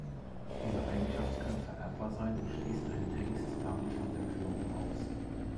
Diese Eigenschaft kann vererbbar sein und schließt einen Hengst damit von der Körung aus.